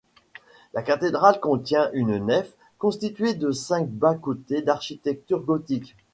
La cathédrale contient une nef constituée de cinq bas-côtés d'architecture gothique.